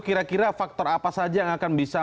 kira kira faktor apa saja yang akan bisa